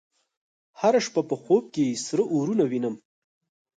هره شپه په خوب کې سره اورونه وینم